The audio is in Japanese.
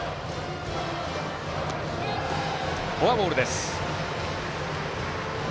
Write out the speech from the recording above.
フォアボールです。